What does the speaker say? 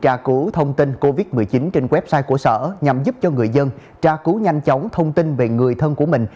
tra cứu thông tin covid một mươi chín trên website của sở nhằm giúp cho người dân tra cứu nhanh chóng thông tin về người thân của mình